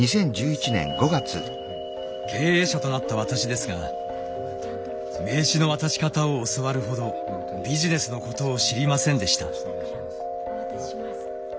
経営者となった私ですが名刺の渡し方を教わるほどビジネスのことを知りませんでした。